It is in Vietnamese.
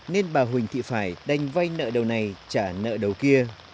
nên bà huỳnh thị phải đành vay nợ này trả nợ đầu kia